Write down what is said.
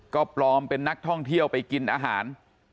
ก็ปลอมเป็นนักท่องเที่ยวไปกินอาหาร